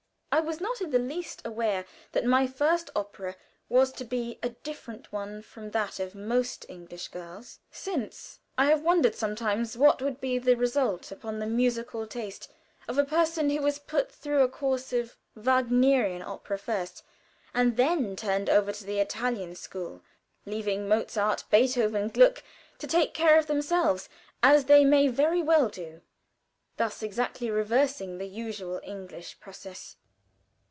I was not in the least aware that my first opera was to be a different one from that of most English girls. Since, I have wondered sometimes what would be the result upon the musical taste of a person who was put through a course of Wagnerian opera first, and then turned over to the Italian school leaving Mozart, Beethoven, Gluck, to take care of themselves, as they may very well do thus exactly reversing the usual (English) process.